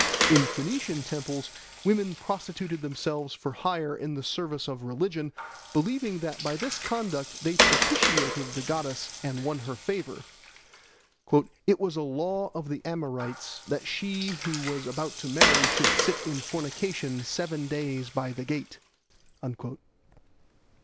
In Phoenician temples women prostituted themselves for hire in the service of religion, believing that by this conduct they propitiated the goddess and won her favour. "It was a law of the Amorites, that she who was about to marry should sit in fornication seven days by the gate."